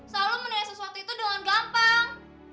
selalu menilai sesuatu itu dengan gampang